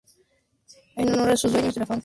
En honor a sus dueños de la finca.